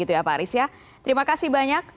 terima kasih banyak